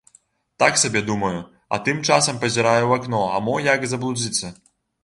Так сабе думаю, а тым часам пазіраю ў акно, а мо як заблудзіцца.